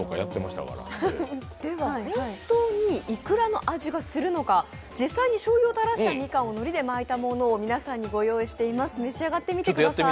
では本当にいくらの味がするのか実際にしょうゆをたらしたみかんをのりで巻いたものを皆さんにご用意しています召し上がってみてください。